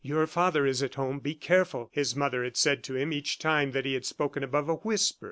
"Your father is at home, be careful," his mother had said to him each time that he had spoken above a whisper.